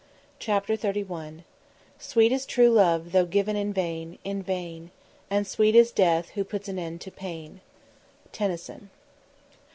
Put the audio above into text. CHAPTER XXXI "Sweet is true love tho' given in vain, in vain; And sweet is death who puts an end to pain." TENNYSON.